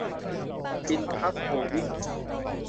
อินทัช โฮลดิ้งส์